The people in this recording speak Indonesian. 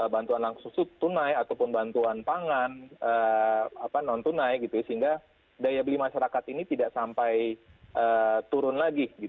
bantuan langsung tunai ataupun bantuan pangan non tunai sehingga daya beli masyarakat ini tidak sampai turun lagi